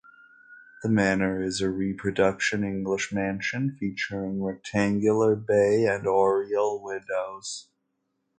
The manor is a reproduction English mansion featuring rectangular, bay and oriel windows.